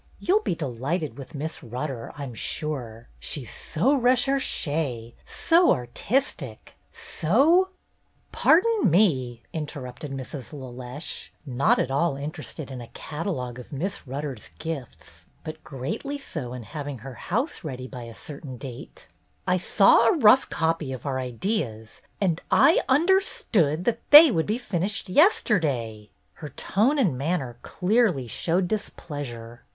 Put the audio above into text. You 'll be delighted with Miss Rutter, I 'm sure. She 's so recherche, so artistic, so —" "Pardon me," interrupted Mrs. LeLeche, not at all interested in a catalogue of Miss Rutter's gifts, but greatly so in having her house ready by a certain date, "I saw a rough MRS. LELECHE HAS HER SAY 229 copy of our ideas, and I understood that they would be finished yesterday."' Her tone and manner clearly showed displeasure.